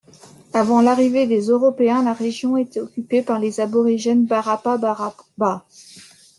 Avant l'arrivée des européens, la région était occupée par les aborigènes Barapa Baraba.